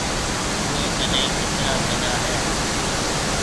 اوَي ڪنَي ڪيترا گڏا هِي؟